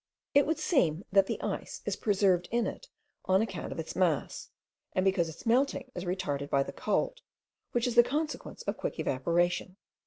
It would seem that the ice is preserved in it on account of its mass, and because its melting is retarded by the cold, which is the consequence of quick evaporation.